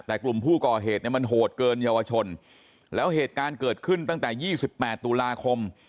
แต่กลุ่มผู้ก่อเหตุเนี่ยมันโหดเกินเยาวชนแล้วเหตุการณ์เกิดขึ้นตั้งแต่๒๘ตุลาคม